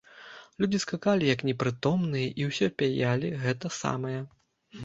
Людзі скакалі, як непрытомныя, і ўсё пяялі гэта самае.